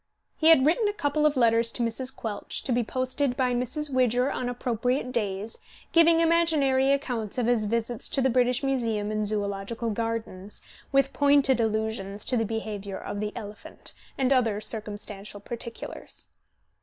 He had written a couple of letters to Mrs. Quelch, to be posted by Mrs. Widger on appropriate days, giving imaginary accounts of his visits to the British Museum and Zoological Gardens, with pointed allusions to the behavior of the elephant, and other circumstantial particulars.